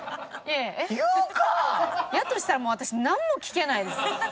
やとしたらもう私なんも聞けないです。